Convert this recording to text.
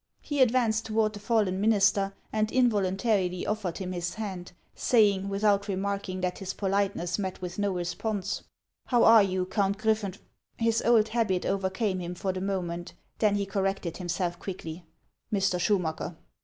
He advanced toward the fallen minister, and involun tarily offered him his hand, saying, without remarking that his politeness met with no response :—" How are you, Count Griffenf — His old habit over came him for the moment ; then he corrected himself quickly — "Mr. Schumacker?"